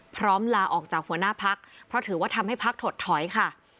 ลาออกจากหัวหน้าพักเพราะถือว่าทำให้พักถดถอยค่ะ